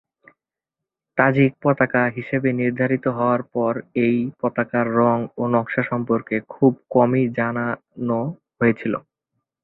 Tajik পতাকা হিসাবে নির্ধারিত হওয়ার পর এই পতাকার রঙ ও নকশা সম্পর্কে খুব কমই জানানো হয়েছিল।